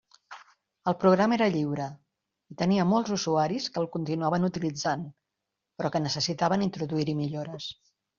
El programa era lliure, i tenia molts usuaris que el continuaven utilitzant, però que necessitaven introduir-hi millores.